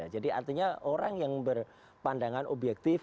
jadi artinya orang yang berpandangan objektif